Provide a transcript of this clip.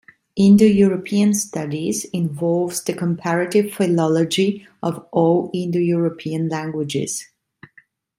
Indo-European studies involves the comparative philology of all Indo-European languages.